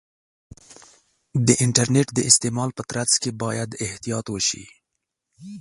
د انټرنیټ د استعمال په ترڅ کې باید احتیاط وشي.